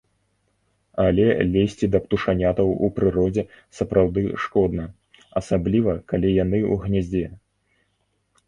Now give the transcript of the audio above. Але лезці да птушанятаў у прыродзе сапраўды шкодна, асабліва калі яны ў гняздзе.